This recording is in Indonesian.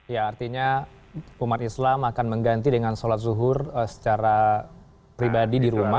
ya artinya umat islam akan mengganti dengan sholat zuhur secara pribadi di rumah